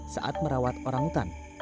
saat merawat orangutan